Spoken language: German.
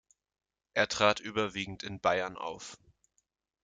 Er trat überwiegend in Bayern auf.